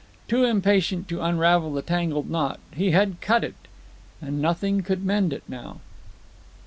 Too impatient to unravel the tangled knot, he had cut it, and nothing could mend it now.